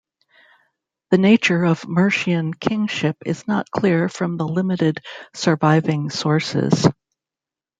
The nature of Mercian kingship is not clear from the limited surviving sources.